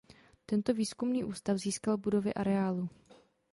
Tento výzkumný ústav získal budovy areálu.